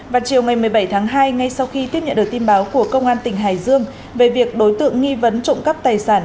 vào chiều ngày một mươi bảy tháng hai ngay sau khi tiếp nhận được tin báo của công an tỉnh hải dương về việc đối tượng nghi vấn trộm cắp tài sản